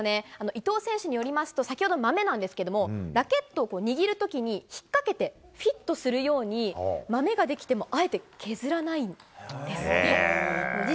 伊藤選手によりますと、先ほどのまめなんですけれども、ラケットを握るときに引っ掛けてフィットするように、まめが出来てもあえて削らないんですって。